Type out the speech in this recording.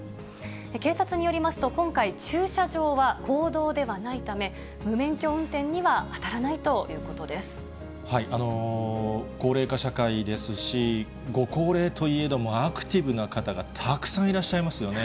警察によりますと、今回、駐車場は公道ではないため、無免許運転にはあたらないという高齢化社会ですし、ご高齢といえども、アクティブな方がたくさんいらっしゃいますよね。